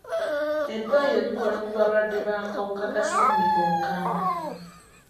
Eddwaliro likola ku balwadde b'akawuka ka ssenyigga omukambwe.